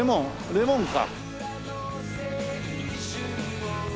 レモンか。